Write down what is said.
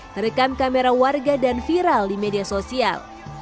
terekam kamera warga dan viral di media sosial